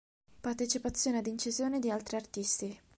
Partecipazioni ad incisioni di altri artisti.